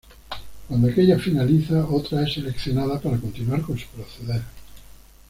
Cuando aquella finaliza, otra es seleccionada para continuar con su proceder.